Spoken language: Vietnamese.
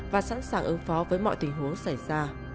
và sẵn sàng ứng phó với mọi tình huống xảy ra